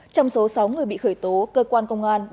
trong số sáu người bị khởi tố cơ quan công an